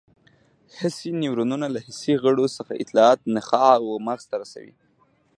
حسي نیورونونه له حسي غړو څخه اطلاعات نخاع او مغز ته رسوي.